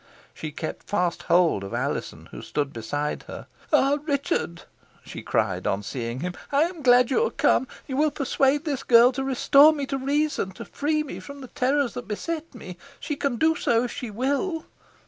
She kept fast hold of Alizon, who stood beside her. "Ah, Richard!" she cried on seeing him, "I am glad you are come. You will persuade this girl to restore me to reason to free me from the terrors that beset me. She can do so if she will."